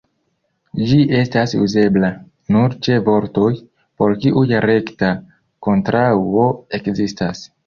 Ĝi estas uzebla nur ĉe vortoj, por kiuj rekta kontraŭo ekzistas.